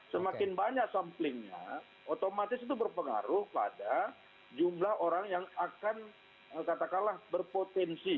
semakin banyak samplingnya otomatis itu berpengaruh pada jumlah orang yang akan katakanlah berpotensi